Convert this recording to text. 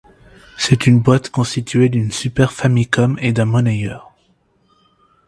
C'est une boite constituée d'une Super Famicom et d'un monnayeur.